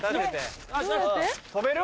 跳べる？